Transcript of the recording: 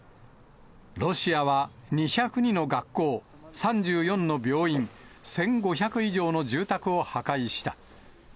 ロシアは２０２の学校、３４の病院、１５００以上の住宅を破壊した。